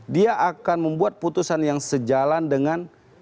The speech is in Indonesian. dia akan membuat putusan yang sejalan dengan